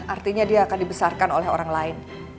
artinya dia akan dibesarkan oleh orang lain